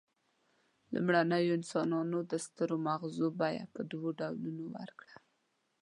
لومړنیو انسانانو د سترو مغزو بیه په دوو ډولونو ورکړه.